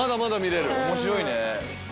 面白いね。